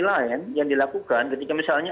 lain yang dilakukan ketika misalnya